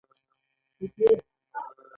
اووه ویشتمه پوښتنه د ادارې د حقوقو په اړه ده.